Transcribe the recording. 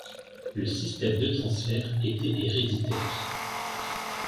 Le système de transfert était héréditaire.